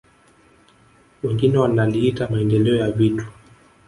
Wengine wanaliita maendeleo ya vitu